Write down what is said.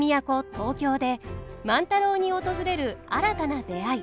東京で万太郎に訪れる新たな出会い。